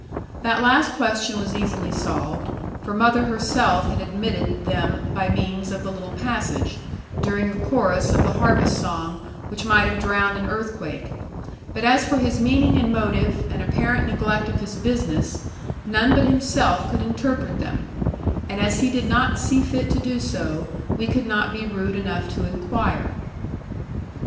That last question was easily solved, for mother herself had admitted them by means of the little passage, during a chorus of the harvest song which might have drowned an earthquake: but as for his meaning and motive, and apparent neglect of his business, none but himself could interpret them; and as he did not see fit to do so, we could not be rude enough to inquire.